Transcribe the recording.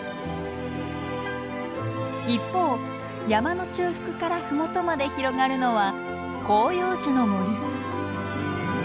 一方山の中腹から麓まで広がるのは広葉樹の森。